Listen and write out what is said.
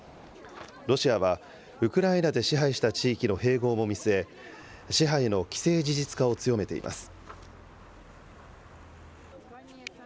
ロシアは、ウクライナで支配した地域の併合も見据え、支配の既成事実化を強めています。